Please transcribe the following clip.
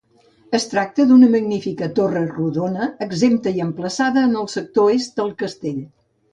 Es tracta d'una magnífica torre rodona, exempta i emplaçada en el sector est del castell.